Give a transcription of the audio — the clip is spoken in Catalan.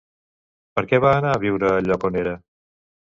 Per què va anar a viure al lloc on era?